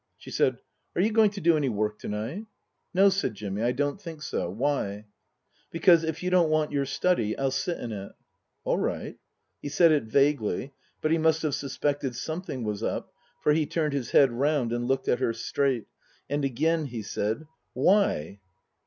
She said, " Are you going to do any work to night ?"" No," said Jimmy, " I don't think so. Why ?"" Because, if you don't want your study I'll sit in it." " All right." He said it vaguely. But he must have suspected something was up, for he turned his head round and looked at her straight ; and again he said, " Why